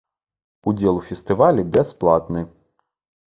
Удзел у фестывалі бясплатны.